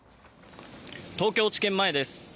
東京地検前です。